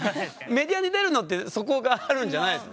メディアに出るのってそこがあるんじゃないの？